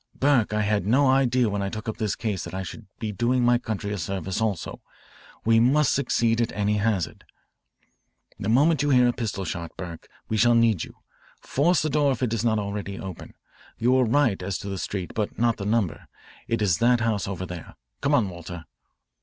"Burke, I had no idea when I took up this case that I should be doing my country a service also. We must succeed at any hazard. The moment you hear a pistol shot, Burke, we shall need you. Force the door if it is not already open. You were right as to the street but not the number. It is that house over there. Come on, Walter."